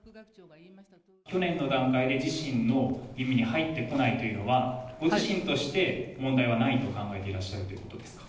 去年の段階で自身の耳に入ってこないというのは、ご自身として、問題はないと考えていらっしゃるということですか。